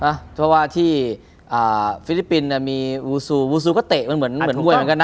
เพราะว่าที่ฟิลิปปินส์เนี่ยมีอูซูบูซูก็เตะมันเหมือนมวยเหมือนกันนะ